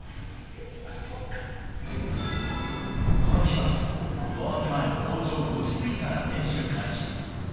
この日は、夜明け前の早朝５時過ぎから練習開始。